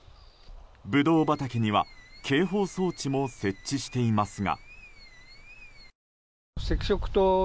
ブドウ畑には警報装置も設置していますが。